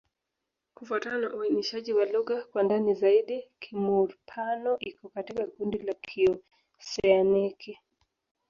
Kufuatana na uainishaji wa lugha kwa ndani zaidi, Kimur-Pano iko katika kundi la Kioseaniki.